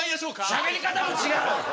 しゃべり方もちがう！